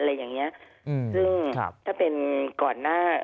อะไรอย่างเงี้ยอืมซึ่งครับถ้าเป็นก่อนหน้า